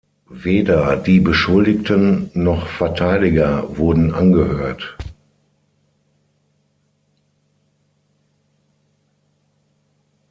Weder die Beschuldigten noch Verteidiger wurden angehört.